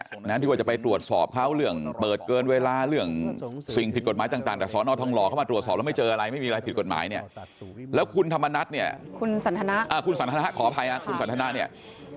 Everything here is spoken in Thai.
ในนั้นที่มันจะไปตรวจสอบเปิดเกินเวลาเรื่องสิ่งผิดกฎหมายต่าง